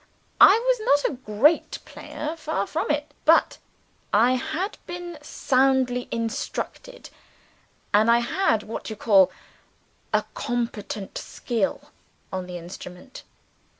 I was not a great player far from it. But I had been soundly instructed; and I had, what you call, a competent skill on the instrument.